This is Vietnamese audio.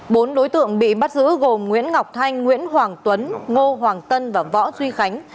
bốn đối tượng bị bắt giữ gồm nguyễn ngọc thanh nguyễn hoàng tuấn ngô hoàng tân và võ duy khánh